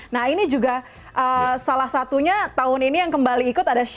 nah ini juga salah satunya tahun ini yang kembali ikut ada